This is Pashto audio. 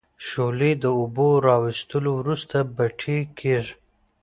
شولې د اوبو را وېستلو وروسته بټۍ کیږي.